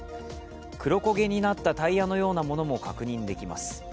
黒焦げになったタイヤのようなものも確認できます。